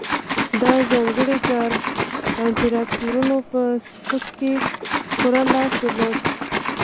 دا ځانګړی ګارډ د امپراتورانو په سقوط کې پوره لاس درلود